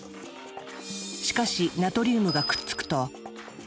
しかしナトリウムがくっつくと。